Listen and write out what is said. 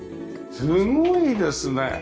すごいですね！